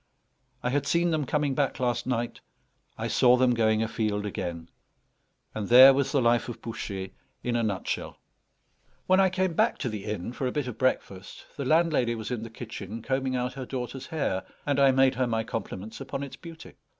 I had seen them coming back last night, I saw them going afield again; and there was the life of Bouchet in a nutshell. When I came back to the inn for a bit of breakfast, the landlady was in the kitchen combing out her daughter's hair; and I made her my compliments upon its beauty.